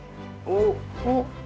おっ！